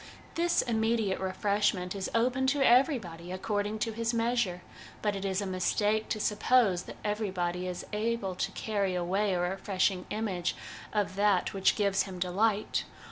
This immediate refreshment is open to everybody according to his measure; but it is a mistake to suppose that everybody is able to carry away a refreshing image of that which gives him delight.